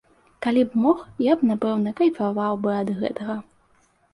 Калі б мог, я б напэўна кайфаваў бы ад гэтага.